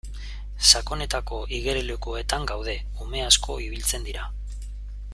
Sakonetako igerilekuetan gaude ume asko ibiltzen dira.